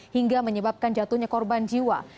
hingga menyebabkan jatuhnya korban jiwa